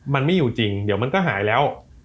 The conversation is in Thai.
มันไม่อยู่จริงเดี๋ยวมันก็หายแล้ว